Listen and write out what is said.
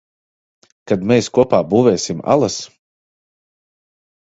Kad mēs kopā būvēsim alas?